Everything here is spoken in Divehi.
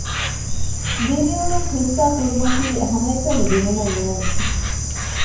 ދިރިއުޅުން ޙިއްޞާކުރުމަކީ ހަމައެކަނި ދިނުމެއް ނޫން